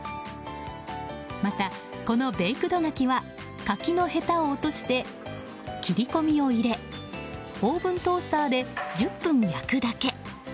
また、このベイクド柿は柿のへたを落として切り込みを入れオーブントースターで１０分焼くだけ。